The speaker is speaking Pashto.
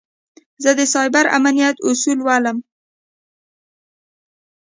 زه د سایبر امنیت اصول لولم.